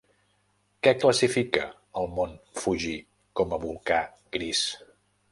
Què classifica al mont Fuji com a volcà gris?